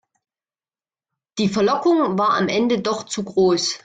Die Verlockung war am Ende doch zu groß.